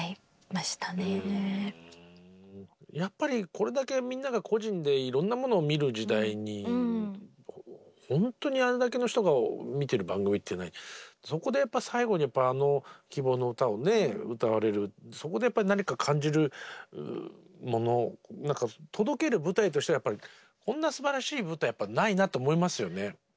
やっぱりこれだけみんなが個人でいろんなものを見る時代にほんとにあれだけの人が見てる番組っていうのはそこで最後にあの「希望のうた」を歌われるそこで何か感じるもの届ける舞台としてはこんなすばらしい舞台ないなと思いますよね。